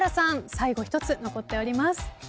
最後１つ残っております。